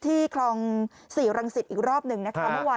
ที่ครองสี่รังสิตอีกรอบหนึ่งนะคะ